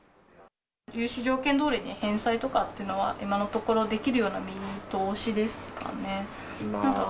融資条件どおりに返済とかっていうのは、今のところできるような見通しですかね。